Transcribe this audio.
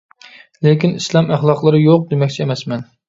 لېكىن ئىسلام ئەخلاقلىرى يوق دېمەكچى ئەمەسمەن.